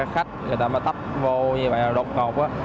khách người ta mà tắp vô như vậy là đột ngột